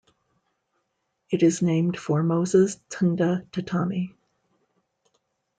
It is named for Moses Tunda Tatamy.